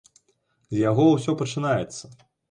З яго ўсё пачынаецца.